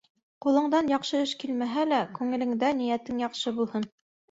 Ҡулыңдан яҡшы эш килмәһә лә, күңелеңдә ниәтең яҡшы булһын.